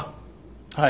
はい。